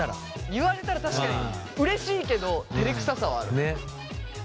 言われたら確かにうれしいけど照れくささはあるね。